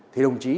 thì đồng chí